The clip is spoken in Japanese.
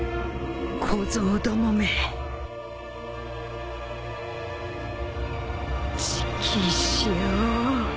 小僧どもめチキショー！